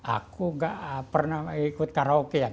aku gak pernah ikut karaoke